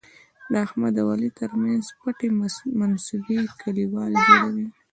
د احمد او علي تر منځ پټې منصوبې کلیوال جوړوي.